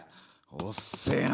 おっせえな。